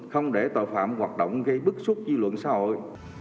không để tội phạm hoạt động gây bức xúc dư luận xã hội